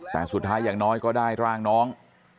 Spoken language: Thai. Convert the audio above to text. แต่สุดท้ายอย่างน้อยก็ได้ร่างน้อง